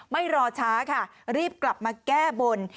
ไม่รอช้าค่ะรีบกลับมาแก้บน